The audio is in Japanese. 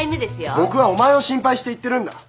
僕はお前を心配して言ってるんだ。